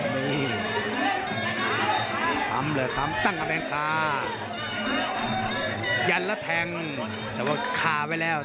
นี่ทำเลยทำตั้งกำแพงคายันแล้วแทงแต่ว่าคาไว้แล้ว